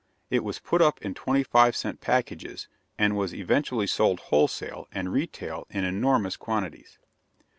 It was put up in twenty five cent packages, and was eventually sold wholesale and retail in enormous quantities.